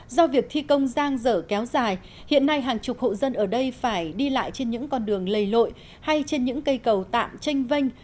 do việc thi công giang dở kéo dài hiện nay hàng chục hộ dân ở đây phải đi lại trên những con đường lầy lội hay trên những cây cầu tạm tranh vanh